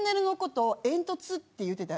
って言ってた。